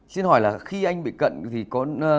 xin hỏi là khi anh bị cận thì có